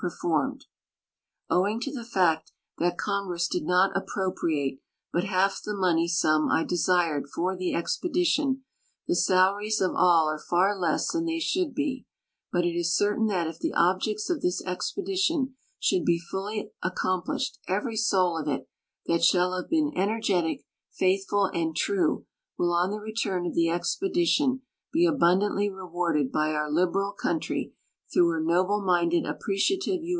rfornn'<l. ... Owing to the fact 310 SEALING SCHOONERS IN TUSCARORA DEEP tliat Congress did not appropriate but half the money sum I desired for tlie expedition, the salaries of all are far less than they should he; but it is certain tliat if the objects of this expedition should he fully accom ))lished every soul of it that shall have been energetic, faithful, and true will on the return of the expedition he abundantly rewarded by our lib eral country through her noble minded, appreciative U.